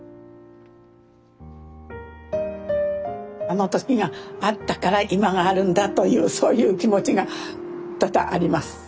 あの時があったから今があるんだというそういう気持ちが多々あります。